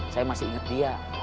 saya masih inget dia